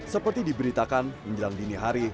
seperti diberitakan menjelang dini hari